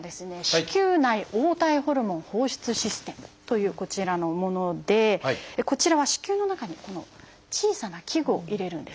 「子宮内黄体ホルモン放出システム」というこちらのものでこちらは子宮の中にこの小さな器具を入れるんです。